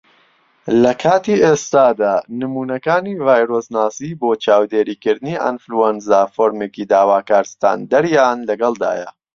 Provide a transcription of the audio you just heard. لە کاتی ئێستادا، نمونەکانی ڤایرۆسناسی بۆ چاودێریکردنی ئەنفلوەنزا فۆرمێکی داواکار ستاندەریان لەگەڵدایە.